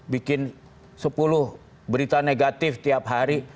bikin sepuluh berita negatif tiap hari